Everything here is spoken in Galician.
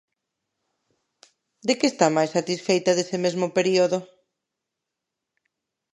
De que está máis satisfeita dese mesmo período?